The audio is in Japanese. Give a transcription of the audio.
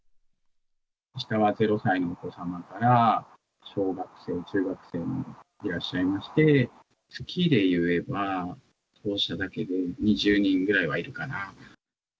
下は０歳のお子様から、小学生、中学生もいらっしゃいまして、月でいえば当社だけで２０人ぐらいはいるかな。